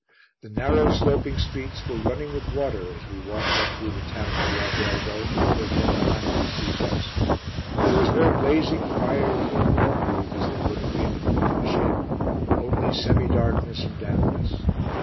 The narrow sloping streets were running with water as we walked up through the town to the albergo, where Donna Anna received us. There was no blazing fire or warm room as there would have been in an English inn, only semidarkness and dampness.